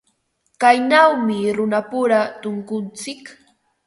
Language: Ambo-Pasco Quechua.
Kaynawmi runapura tunkuntsik.